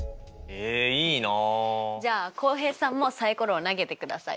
じゃあ浩平さんもサイコロを投げてください。